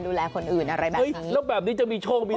อย่างแรกเลยก็คือการทำบุญเกี่ยวกับเรื่องของพวกการเงินโชคลาภ